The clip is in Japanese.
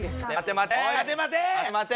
待て待て。